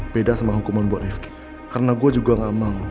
beda sama hukuman buat rifki karena gue juga gak mau